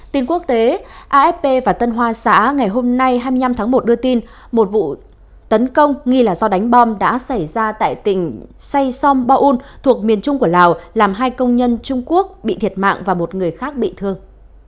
tin quốc tế afp và tân hoa xã ngày hôm nay hai mươi năm tháng một đưa tin một vụ tấn công nghi là do đánh bom đã xảy ra tại tỉnh say som baun thuộc miền trung của lào làm hai công nhân trung quốc bị thiệt mạng và một người khác bị thương